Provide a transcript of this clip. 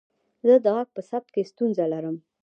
زه د غږ په ثبت کې ستونزه لرم.